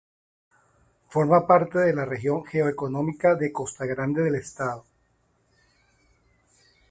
Forma parte de la región geo-económica de Costa Grande del estado.